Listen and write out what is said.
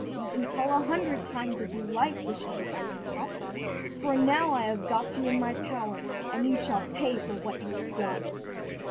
"You can call a hundred times if you like," returned Eisenkopf, "for now I have got you in my power, and you shall pay for what you have done."